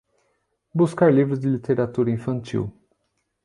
Buscar livros de literatura infantil